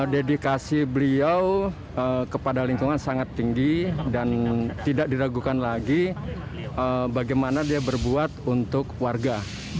dedikasi beliau kepada lingkungan sangat tinggi dan tidak diragukan lagi bagaimana dia berbuat untuk warga